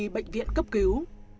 bệnh viện cấp cứu